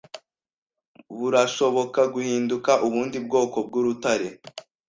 burashoboka guhinduka ubundi bwoko bwurutare